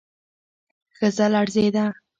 ښځه لړزېده.